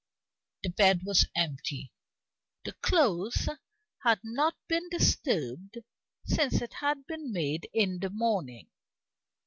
The bed was empty; the clothes had not been disturbed since it had been made in the morning!